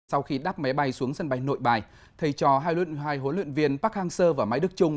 sau khi đắp máy bay xuống sân bay nội bài thầy trò hai huấn luyện viên park hang seo và máy đức trung